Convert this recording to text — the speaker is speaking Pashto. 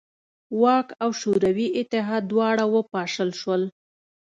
واک او شوروي اتحاد دواړه وپاشل شول.